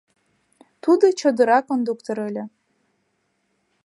Тудо чодыра кондуктор ыле.